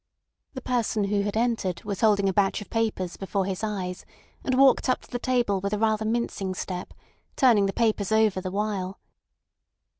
The person who had entered was holding a batch of papers before his eyes and walked up to the table with a rather mincing step, turning the papers over the while.